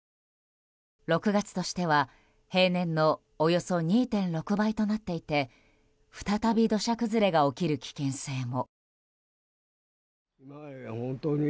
６月としては平年のおよそ２．６倍となっていて再び土砂崩れが起きる危険性も。